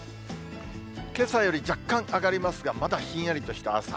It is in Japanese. けさより若干上がりますが、まだひんやりとした朝。